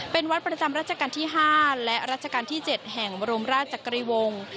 เป็นวัดประจำรัชกาลที่๕และรัชกาลที่๗แห่งบรมราชจักรีวงศ์